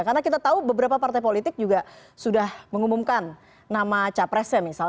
karena kita tahu beberapa partai politik juga sudah mengumumkan nama capresnya misalnya